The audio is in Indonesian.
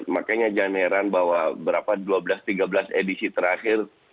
makanya jangan heran bahwa berapa dua belas tiga belas edisi terakhir